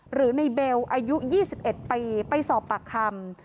หรือในเบลอายุ๒๑ปีไปสอบปากคำ